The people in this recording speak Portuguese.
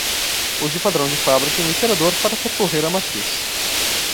Use o padrão de fábrica e um iterador para percorrer a matriz.